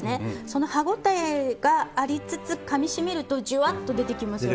その歯応えがありつつかみしめるとジュワッと出てきます。